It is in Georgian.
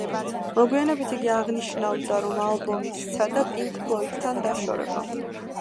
მოგვიანებით იგი აღნიშნავდა, რომ ალბომით სცადა პინკ ფლოიდთან დაშორება.